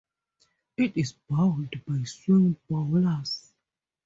It is bowled by swing bowlers.